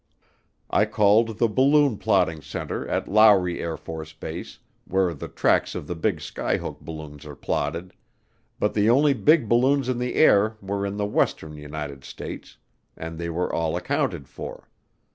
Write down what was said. I called the balloon plotting center at Lowry AFB, where the tracks of the big skyhook balloons are plotted, but the only big balloons in the air were in the western United States, and they were all accounted for.